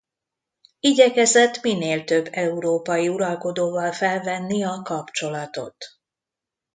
Igyekezett minél több európai uralkodóval felvenni a kapcsolatot.